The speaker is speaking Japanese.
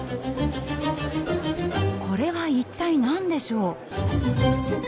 これは一体何でしょう？